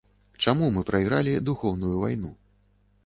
Чаму мы прайгралі духоўную вайну?